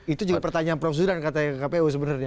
itu juga pertanyaan prof zidan katanya kpu sebenarnya